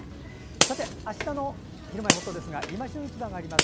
あしたの「ひるまえほっと」は「いま旬市場」があります。